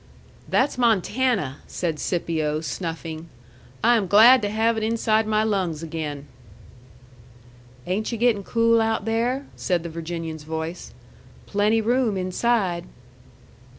"That's Montana!" said Scipio, snuffing. "I am glad to have it inside my lungs again." "Ain't yu' getting cool out there?" said the Virginian's voice. "Plenty room inside."